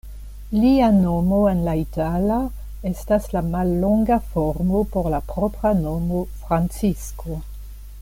Lia nomo en la itala estas la mallonga formo por la propra nomo Francisco.